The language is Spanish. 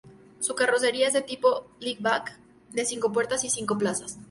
Su carrocería es de tipo liftback de cinco puertas y cinco plazas.